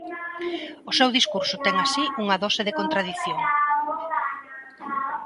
O seu discurso ten así unha dose de contradición.